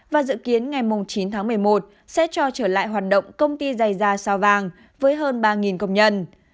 và dự kiến ngày chín tháng một mươi một sẽ cho trở lại hoạt động công ty dày da sao vàng với hơn ba công nhân